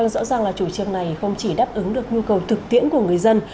rõ ràng là chủ trương này không chỉ đáp ứng được nhu cầu thực tiễn của người dân